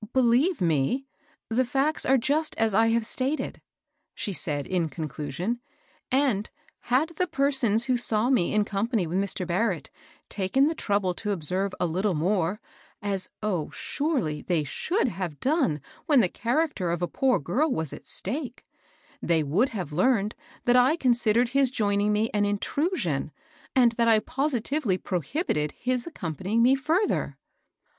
*' Believe me, ihe fiusts are jost as I hare stated^" she said, in conclusion ;*' and, had the perscma who daw me in company with Mr. Barrett taken die trouble to observe a little more, — ^^as^ oh, sorely they should have done when the character of a poor girl was at stake I — they would have learned that I considered his joining me an intrusion, and that I positively prohibited his accompanying me fiirther."